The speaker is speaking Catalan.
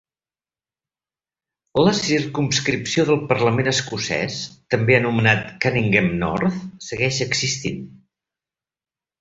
La circumscripció del Parlament escocès també anomenat "Cunninghame North" segueix existint.